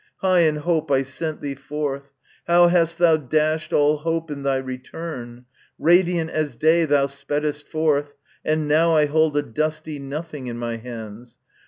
high in hope I sent thee forth ; How hast thou dashed all hope in thy return ! Radiant as day thou speddest forth, and now I hold a dusty nothing in my hands.